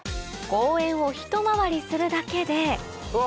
公園をひと回りするだけでうわ！